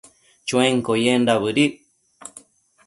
Chuenquio yendac bëdic